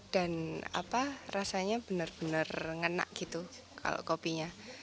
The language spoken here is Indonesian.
dan rasanya benar benar ngenak gitu kalau kopinya